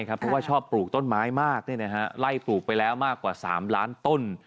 เพราะว่าชอบปลูกต้นไม้มากไล่ปลูกไปแล้วมากกว่า๓ล้านต้น